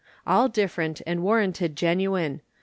All different and warranted genuine.